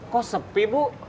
kok sepi bu